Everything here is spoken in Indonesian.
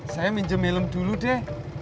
saya minjem helm dulu deh